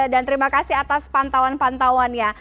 dan terima kasih atas pantauan pantauan ya